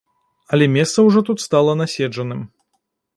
Але месца ўжо тут стала наседжаным.